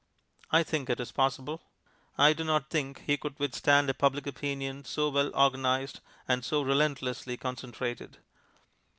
I think it is possible. I do not think he could withstand a Public Opinion so well organized and so relentlessly concentrated.